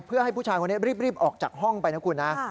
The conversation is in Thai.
เพื่อให้ผู้ชายคนนี้รีบออกจากห้องไปนะคุณนะ